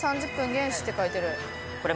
厳守って書いてる。